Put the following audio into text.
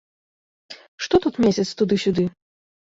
Што тут месяц туды-сюды?